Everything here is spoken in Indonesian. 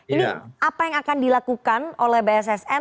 ini apa yang akan dilakukan oleh bssn